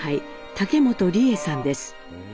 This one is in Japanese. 竹本里恵さんです。